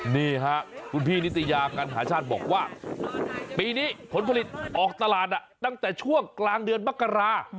นี่ค่ะคุณพี่นิตยากัณหาชาติบอกว่าปีนี้ผลผลิตออกตลาดตั้งแต่ช่วงกลางเดือนมกรา